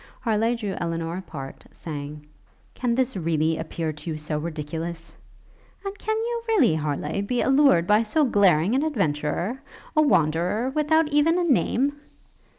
Harleigh drew Elinor apart, saying, 'Can this, really, appear to you so ridiculous?' 'And can you, really, Harleigh, be allured by so glaring an adventurer? a Wanderer, without even a name!'